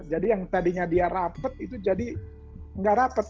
jadi yang tadinya dia rapet itu jadi nggak rapet